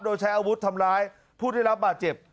โดยใช้อาวุธทำร้ายผู้ได้รับบาดเจ็บ